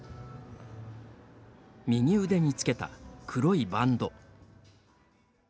右腕につけた黒いバンド。